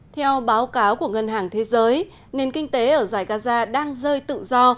theo báo cáo của ngân hàng thế giới nền kinh tế ở giải gaza đang rơi tự do